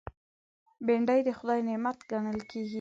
بېنډۍ د خدای نعمت ګڼل کېږي